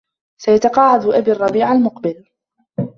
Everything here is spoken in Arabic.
سيتقاعد أبي الربيع المقبل.